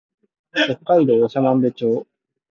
北海道長万部町